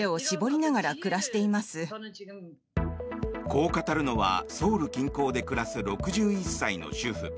こう語るのはソウル近郊で暮らす６１歳の主婦。